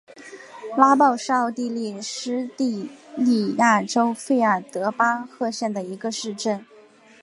拉鲍是奥地利施蒂利亚州费尔德巴赫县的一个市镇。